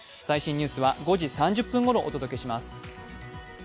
最新ニュースは５時３０分ごろお届けします。